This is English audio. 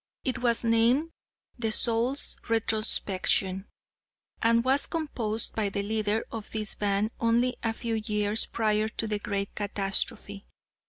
It was named 'The Soul's Retrospection,' and was composed by the leader of this band only a few years prior to the great catastrophe.